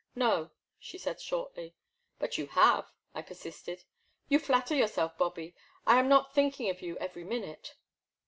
'* No/* she said shortly. But you have/* I persisted. You flatter yourself, Bobby. I am not think ing of you every minute.